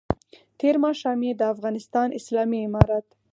تېر ماښام یې د افغانستان اسلامي امارت